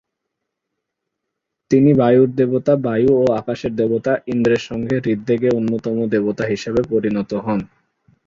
তিনি বায়ুর দেবতা বায়ু ও আকাশের দেবতা ইন্দ্রের সঙ্গে ঋগ্বেদে অন্যতম প্রধান দেবতা হিসেবে পরিগণিত হন।